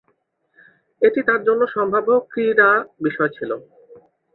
এটি তার জন্য সম্ভাব্য ক্রীড়া বিষয় ছিল।